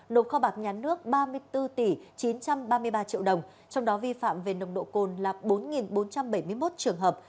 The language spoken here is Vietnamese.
nộp kho bạc nhà nước ba mươi bốn tỷ chín trăm ba mươi ba triệu đồng trong đó vi phạm về nồng độ cồn là bốn bốn trăm bảy mươi một trường hợp